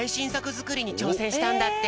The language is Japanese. づくりにちょうせんしたんだって。